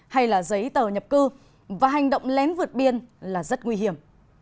hay là giấy tờ nhập cư và hành động lén vượt biên là rất nguy hiểm